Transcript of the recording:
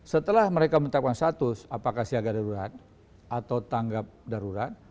setelah mereka menetapkan status apakah siaga darurat atau tanggap darurat